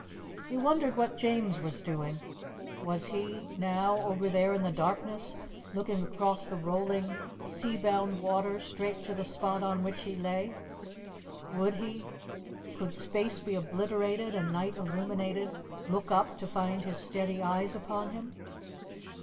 He wondered what James was doing. Was he now over there in the darkness, looking across the rolling, sea bound water straight to the spot on which he lay? Would he could space be obliterated and night illumined look up to find his steady eyes upon him?